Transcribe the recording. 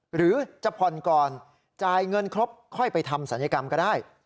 หรือจะผ่อนก่อนจ่ายเงินครบค่อยไปทำศัลยกรรมก็ได้